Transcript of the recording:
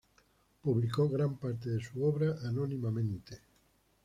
Publicó gran parte de su obra anónimamente.